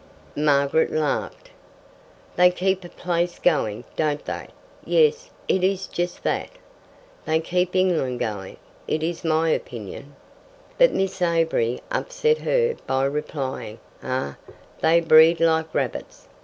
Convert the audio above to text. Margaret laughed. "They keep a place going, don't they? Yes, it is just that." "They keep England going, it is my opinion." But Miss Avery upset her by replying: "Ay, they breed like rabbits.